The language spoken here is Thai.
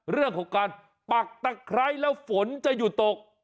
เรื่องของการปักตะไคร้แล้วฝนจะหยุดตก